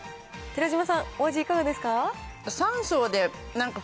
寺島さん、お味いかがですか？